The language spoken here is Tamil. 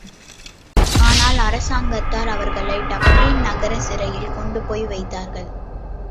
ஆனால் அரசாங்கத்தார் அவர்களை டப்ளின் நகரச் சிறையில் கொண்டுபோய் வைத்தார்கள்.